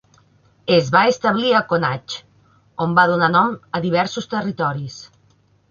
Es van establir a Connacht, on van donar nom a diversos territoris.